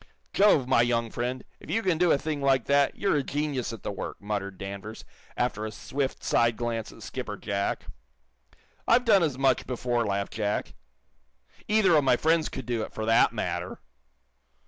"Jove, my young friend, if you can do a thing like that, you're a genius at the work," muttered Danvers, after a swift, side glance at Skipper Jack. "I've done as much before," laughed Jack. "Either of my friends could do it, for that matter."